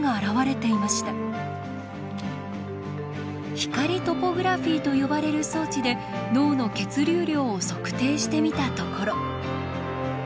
光トポグラフィーと呼ばれる装置で脳の血流量を測定してみたところ。